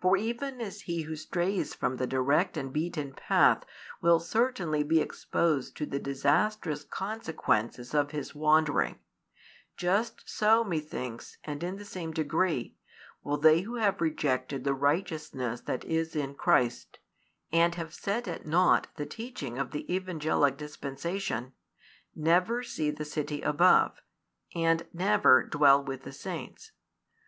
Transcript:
For even as he who strays from the direct and beaten path will certainly be exposed to the disastrous consequences of his wandering, just so methinks and in the same degree will they who have rejected the righteousness that is in Christ, and have set at nought the teaching of the Evangelic dispensation, never see the city above, and never dwell with the saints.